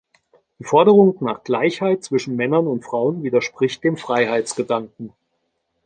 Die Forderung nach Gleichheit zwischen Männern und Frauen widerspricht dem Freiheitsgedanken.